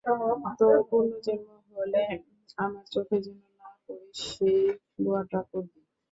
তোর পুনঃজন্ম হলে আমার চোখে যেন না পড়িস সেই দোয়াটা করবি!